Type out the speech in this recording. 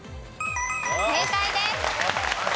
正解です。